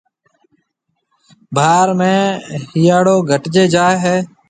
ڀاھار ۾ ھيَََاݪو گھٽجيَ جائيَ ھيََََ